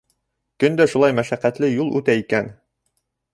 Көн дә шулай мәшәҡәтле юл үтә икән.